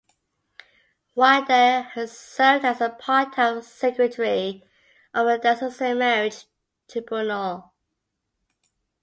While there her served as a part-time secretary of the Diocesan Marriage Tribunal.